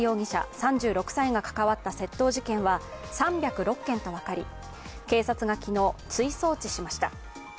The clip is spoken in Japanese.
３６歳が関わった窃盗事件は３０６件と分かり警察が昨日、追送致しました。